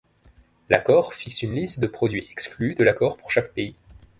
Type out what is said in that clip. L'accord fixe une liste de produits exclus de l'accord pour chaque pays.